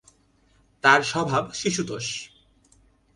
তার স্বভাব শিশুতোষ।